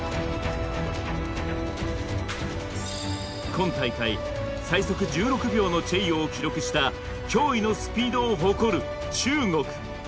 今大会最速１６秒のチェイヨーを記録した驚異のスピードを誇る中国。